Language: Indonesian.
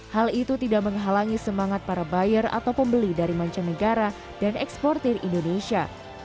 hal itu tidak menghalangi semangat para buyer atau pembeli dari mancanegara dan eksportir indonesia